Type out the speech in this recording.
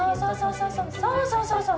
そうそうそうそうそう。